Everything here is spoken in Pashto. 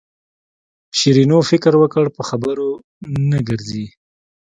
شیرینو فکر وکړ په خبرو نه ګرځي.